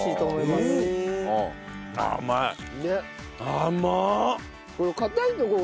甘っ！